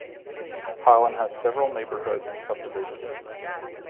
Highland has several neighborhoods and subdivisions.